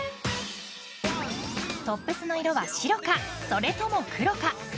トップスの色は白かそれとも黒か。